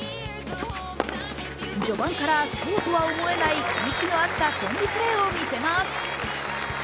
序盤からそうとは思えない息の合ったコンビプレーを見せます。